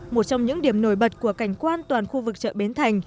một trong những điểm nổi bật của cảnh quan toàn khu vực chợ bến thành